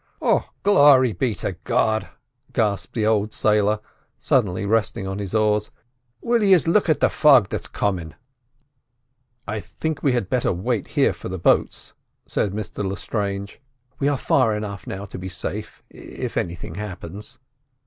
"Oh, Glory be to God!" gasped the old sailor, suddenly resting on his oars. "Will yiz look at the fog that's comin'—" "I think we had better wait here for the boats," said Mr Lestrange; "we are far enough now to be safe if—anything happens."